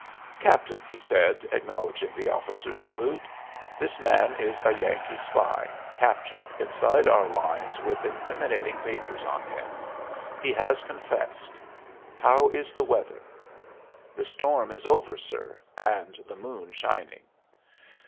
"Captain," he said, acknowledging the officer's salute, "this man is a Yankee spy captured inside our lines with incriminating papers on him. He has confessed. How is the weather?" "The storm is over, sir, and the moon shining."